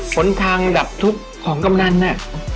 ผลทางดับทุกข์ของกำนันน่ะ